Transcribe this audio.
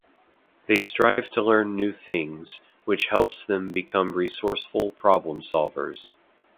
They strive to learn new things, which helps them become resourceful problem-solvers.